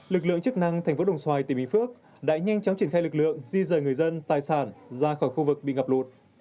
lực lượng chức năng thành phố đồng xoài tỉnh bình phước đã nhanh chóng triển khai lực lượng di rời người dân tài sản ra khỏi khu vực bị ngập lụt